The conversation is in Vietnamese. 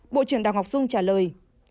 bộ trưởng đào ngọc dung trả lời